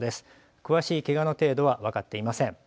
詳しいけがの程度は分かっていません。